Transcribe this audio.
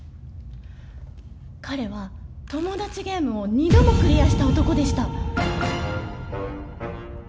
彼はトモダチゲームを２度もクリアした男でした。